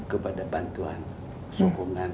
kepada bantuan sokongan